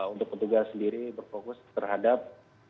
untuk petugas sendiri berfokus terhadap